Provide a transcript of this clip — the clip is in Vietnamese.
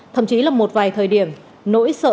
thậm chí là một vài thời điểm nỗi sợ